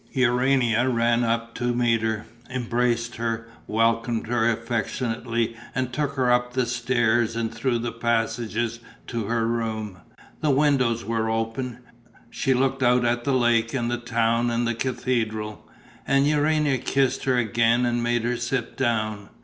Urania ran out to meet her, embraced her, welcomed her affectionately and took her up the stairs and through the passages to her room. The windows were open; she looked out at the lake and the town and the cathedral. And Urania kissed her again and made her sit down.